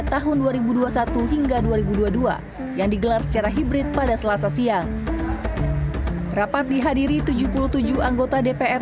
tahun dua ribu dua puluh satu hingga dua ribu dua puluh dua yang digelar secara hibrid pada selasa siang rapat dihadiri tujuh puluh tujuh anggota dpr